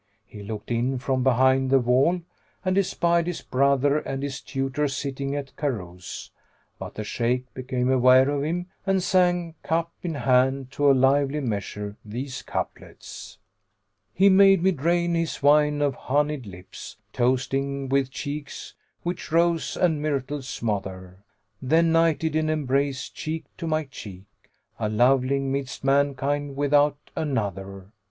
He looked in from behind the wall, and espied his brother and his tutor sitting at carouse; but the Shaykh became aware of him and sang cup in hand, to a lively measure these couplets, "He made me drain his wine of honeyed lips, * Toasting with cheeks which rose and myrtle smother: Then nighted in embrace, cheek to my cheek, * A loveling midst mankind without another.